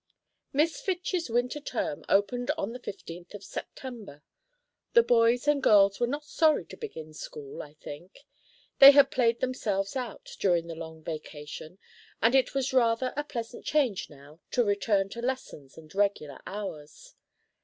Miss Fitch's winter term opened on the 15th of September. The boys and girls were not sorry to begin school, I think. They had "played themselves out" during the long vacation, and it was rather a pleasant change now to return to lessons and regular hours.